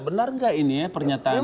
benar nggak ini ya pernyataan